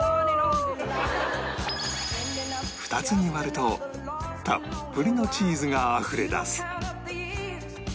２つに割るとたっぷりのチーズがあふれ出す